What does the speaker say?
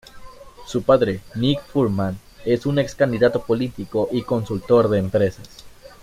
Su padre, Nick Fuhrman, es un ex candidato político y consultor de empresas.